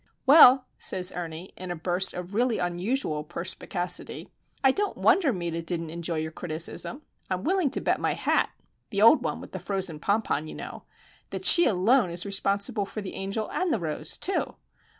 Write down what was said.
"Well," says Ernie, in a burst of really unusual perspicacity, "I don't wonder Meta didn't enjoy your criticism! I'm willing to bet my hat (it's the old one with the frozen pompon, you know) that she alone is responsible for the angel and the rose, too.